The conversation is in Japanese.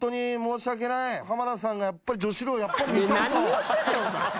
何言うてんねんお前！